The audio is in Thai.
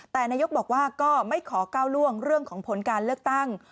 แต่นายกบอกว่าก็ไม่ขอก้าวล่วงเรื่องของผลการเลือกตั้ง